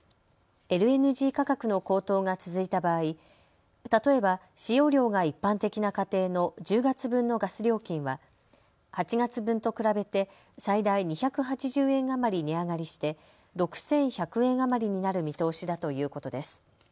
ＬＮＧ価格の高騰が続いた場合、例えば使用量が一般的な家庭の１０月分のガス料金は８月分と比べて最大２８０円余り値上がりして６１００円余りになる見通しだということです。